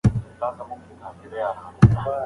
موږ اقتصاد پوهانو ته اړتیا لرو.